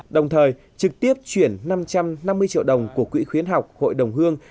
đồng thời trực tiếp chuyển năm trăm năm mươi triệu đồng của quỹ khuyến học hội đồng hương